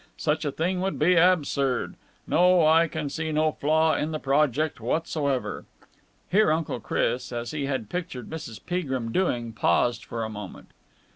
Such a thing would be absurd. No, I can see no flaw in the project whatsoever." Here Uncle Chris, as he had pictured Mrs. Peagrim doing, paused for a moment.